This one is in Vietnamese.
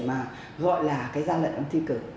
mà gọi là cái gian lận ấm thi cử